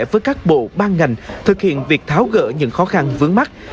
với các bộ ban ngành thực hiện việc tháo gỡ những khó khăn vướng mắt